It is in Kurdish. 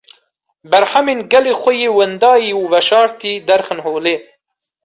berhemên gelê xwe yê wendayî û veşartî derxin holê.